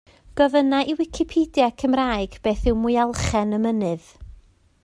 Gofynna i Wicipedia Cymraeg beth yw Mwyalchen Y Mynydd?